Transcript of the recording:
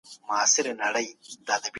تاسي باید خپله ډوډې په شکر سره وخورئ.